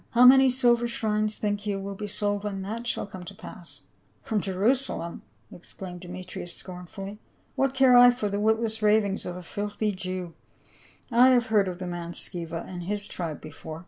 How many silver shrines think you will be sold when that shall come to pass ?"" From Jerusalem !" exclaimed Demetrius scorn fully, " What care I for the witless ravings of a filthy Jew ; I have heard of the man Sceva* and his tribe before."